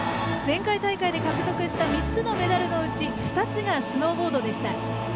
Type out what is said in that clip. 前回大会で獲得した３つのメダルのうち２つがスノーボードでした。